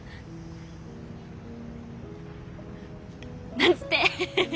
なんつって！